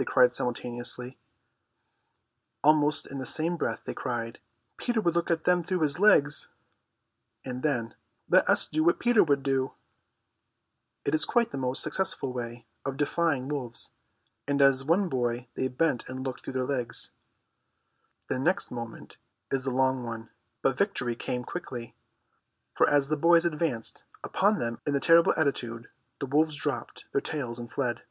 they cried simultaneously. Almost in the same breath they cried, "Peter would look at them through his legs." And then, "Let us do what Peter would do." It is quite the most successful way of defying wolves, and as one boy they bent and looked through their legs. The next moment is the long one, but victory came quickly, for as the boys advanced upon them in the terrible attitude, the wolves dropped their tails and fled.